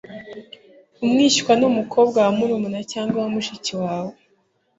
Umwishywa ni umukobwa wa murumuna cyangwa mushiki we.